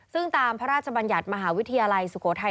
ซึ่งตามพระราชบัญญัติมหาวิทยาลัยสุโขทัย